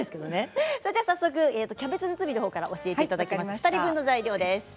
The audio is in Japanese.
早速キャベツ包みのほうから教えていただきます。